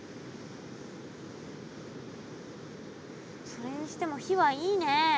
それにしても火はいいねえ。